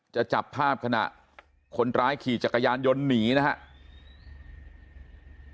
จะจับภาพขณะคนร้ายขี่จักรยานยนต์หนีนะครับ